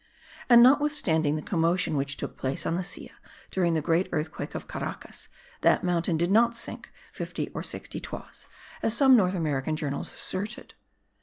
and notwithstanding the commotion which took place on the Silla during the great earthquake of Caracas, that mountain did not sink 50 or 60 toises, as some North American journals asserted.